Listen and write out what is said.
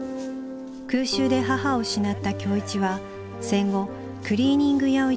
空襲で母を失った今日一は戦後クリーニング屋を営む